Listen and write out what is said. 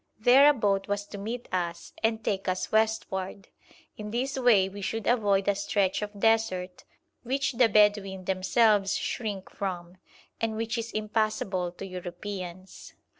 There a boat was to meet us and take us westward; in this way we should avoid a stretch of desert which the Bedouin themselves shrink from, and which is impassable to Europeans.